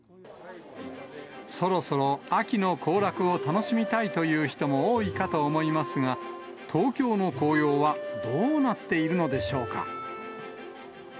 そろそろ秋の行楽を楽しみたいという人も多いかと思いますが、東京の紅葉はどうなっているのでしょうか。